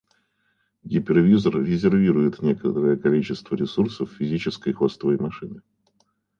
Гипервизор «резервирует» некоторое количество ресурсов физической хостовой машины